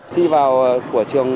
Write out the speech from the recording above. thì vào của trường